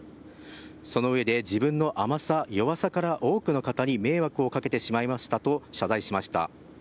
その上で自分の甘さ、弱さから多くの方に迷惑をかけてしまいましたと謝罪しました。